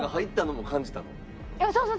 そうそう。